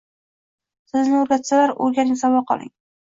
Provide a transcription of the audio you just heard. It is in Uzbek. Sizga o’rgatsalar, o’rganing saboq oling.!